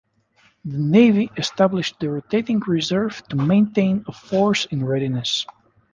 The Navy established the rotating reserve to maintain a force in readiness.